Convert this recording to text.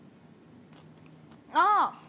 ああ！